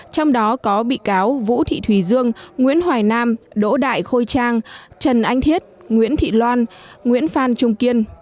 trong đó có bị cáo vũ thị thùy dương nguyễn hoài nam đỗ đại khôi trang trần anh thiết nguyễn thị loan nguyễn phan trung kiên